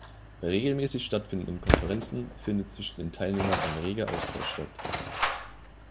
Bei regelmäßig stattfindenden Konferenzen findet zwischen den Teilnehmern ein reger Austausch statt.